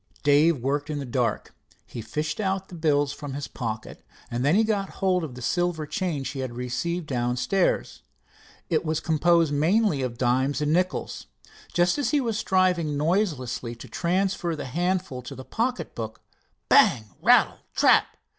Dave worked in the dark. He fished out the bills from his pocket. Then he got hold of the silver change he had received down stairs. It was composed mainly of dimes and nickles. Just as he was striving noiselessly to transfer the handful to the pocket book, bang! rattle! tap!